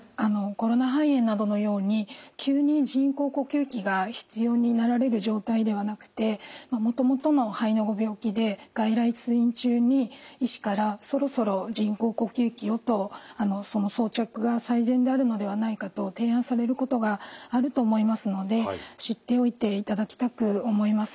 コロナ肺炎などのように急に人工呼吸器が必要になられる状態ではなくてもともとの肺のご病気で外来通院中に医師から「そろそろ人工呼吸器を」と「装着が最善であるのではないか」と提案されることがあると思いますので知っておいていただきたく思います。